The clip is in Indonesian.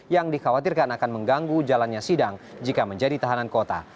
yang dikhawatirkan akan mengganggu jalannya sidang jika menjadi tahanan kota